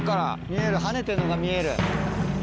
見える跳ねてるのが見える。